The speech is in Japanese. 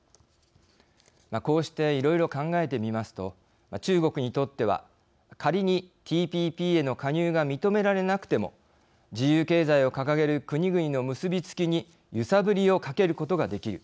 こうしていろいろ考えてみますと中国にとっては仮にＴＰＰへの加入が認められなくても自由経済を掲げる国々の結び付きにゆさぶりをかけることができる。